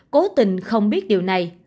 cố tình không biết điều này